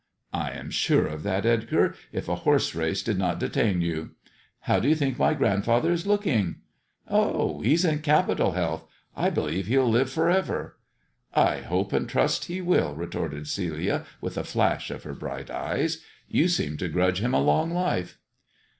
" I am sure of that, Edgar — if a horse race did not detain you. How do you think my grandfather is looking ]" "Oh, he's in capital health. I believe he'll live for ever." " I hope and trust he will," retorted Celia, with a flash of her bright eyes. " You seem to grudge him a long life."